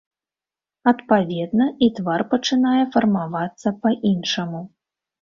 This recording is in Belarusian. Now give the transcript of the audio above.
Адпаведна, і твар пачынае фармавацца па-іншаму.